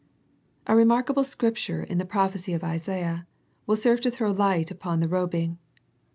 A remarkable Scripture in the prophecy of Isaiah will serve to throw light upon the ro bing.